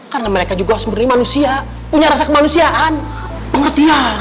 karena mereka juga sempurni manusia punya rasa kemanusiaan pengertian